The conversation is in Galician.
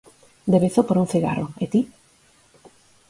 Devezo por un cigarro, ¿e ti?